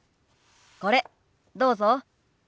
これどうぞ。